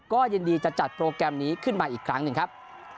ก็ยินดีจะจัดโปรแกรมนี้ขึ้นมาอีกครั้งหนึ่งครับ